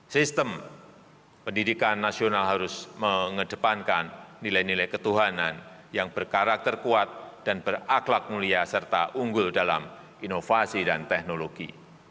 sistem pendidikan nasional harus mengedepankan nilai nilai ketuhanan yang berkarakter kuat dan beraklak mulia serta unggul dalam inovasi dan teknologi